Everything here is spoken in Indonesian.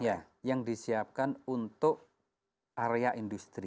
ya yang disiapkan untuk area industri